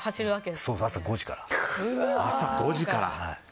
朝の５時から。